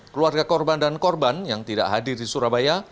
keluarga korban dan korban yang tidak hadir di surabaya